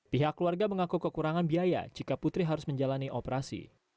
pihak keluarga mengaku kekurangan biaya jika putri harus menjalani operasi